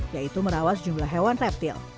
yaitu merawat sejumlah hewan reptil